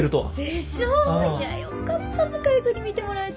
でしょいやよかった向井君に見てもらえて。